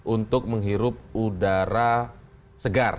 untuk menghirup udara segar